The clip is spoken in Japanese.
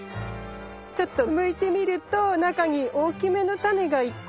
ちょっとむいてみると中に大きめのタネが１個。